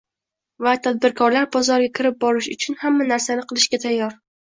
va tadbirkorlar bozorga kirib borish uchun hamma narsani qilishga tayyor.